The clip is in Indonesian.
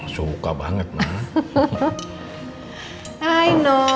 suka banget mbak